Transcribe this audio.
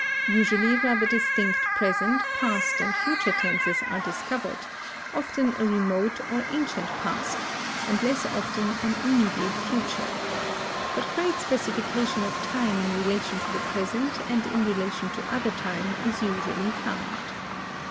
Usually rather distinct present, past, and future tenses are discovered; often a remote or ancient past, and less often an immediate future. But great specification of time in relation to the present and in relation to other time is usually found.